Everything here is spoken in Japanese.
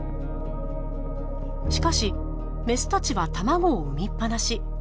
しかしメスたちは卵を産みっぱなし。